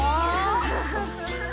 フフフフフ。